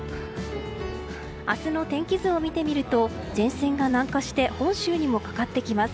明日の天気図を見てみると前線が南下して本州にもかかってきます。